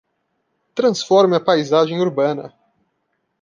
Transforme a paisagem urbana.